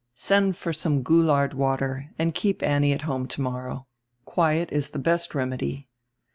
"Send for sonre Goulard water and keep Annie at home tomorrow. Quiet is the best remedy."